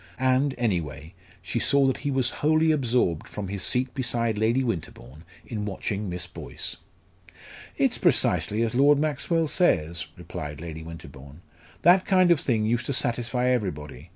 And, anyway, she saw that he was wholly absorbed from his seat beside Lady Winterbourne in watching Miss Boyce. "It's precisely as Lord Maxwell says," replied Lady Winterbourne; "that kind of thing used to satisfy everybody.